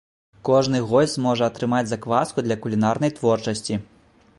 Кожны госць зможа атрымаць закваску для кулінарнай творчасці.